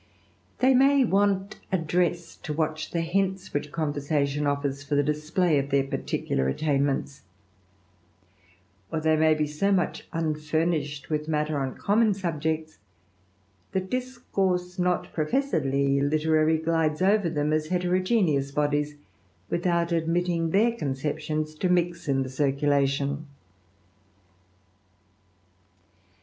They may want address to watch the which conversation offers for the display of their part attainments, or they may be so much unfurnished matter on common subjects, that discourse not profes literary glides over them as heterogeneous bodies, wi admitting their conceptions to mix in the circulation.